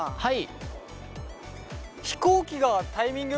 はい。